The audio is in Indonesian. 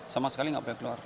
sama sekali nggak boleh keluar